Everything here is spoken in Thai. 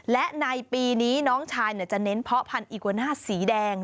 และในปีนี้น้องชายจะเน้นเพาะพันธีโกน่าสีแดง